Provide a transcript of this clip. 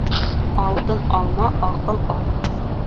Алтын алма, аҡыл ал.